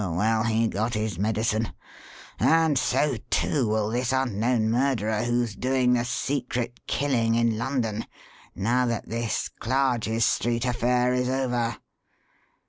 Oh, well, he got his medicine. And so, too, will this unknown murderer who's doing the secret killing in London, now that this Clarges Street affair is over.